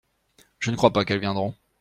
Je ne crois pas qu'elles viendront.